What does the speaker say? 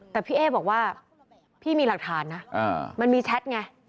แต่พี่เอ๊บอกว่าพี่มีหลักฐานนะมันมีแชทไง